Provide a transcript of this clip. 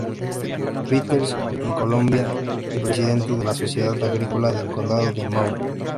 Peter's en Columbia, y presidente de la sociedad agrícola del Condado de Maury.